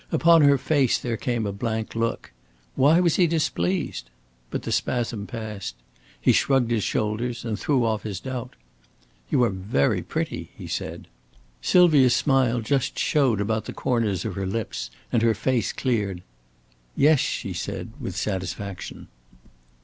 Upon her face there came a blank look. Why was he displeased? But the spasm passed. He shrugged his shoulders and threw off his doubt. "You are very pretty," he said. Sylvia's smile just showed about the corners of her lips and her face cleared. "Yes," she said, with satisfaction.